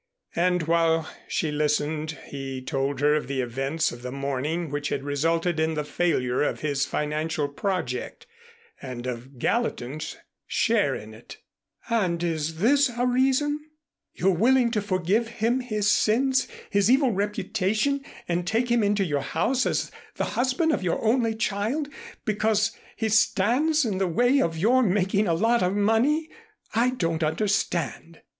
And while she listened he told her of the events of the morning which had resulted in the failure of his financial project and of Gallatin's share in it. "And is this a reason? You're willing to forgive him his sins, his evil reputation, and take him into your house as the husband of your only child, because he stands in the way of your making a lot of money? I don't understand."